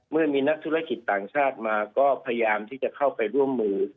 เมื่อมีนักธุรกิจต่างชาติมาก็พยายามที่จะเข้าไปร่วมมือ